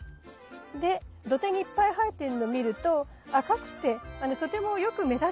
で土手にいっぱい生えてんの見ると赤くてとてもよく目立つんですね。